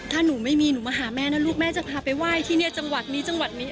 ถ้าหนูไม่มีหนูมาหาแม่นะลูกแม่จะพาไปไหว้ที่เนี่ยจังหวัดนี้จังหวัดนี้